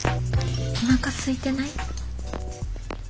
おなかすいてない？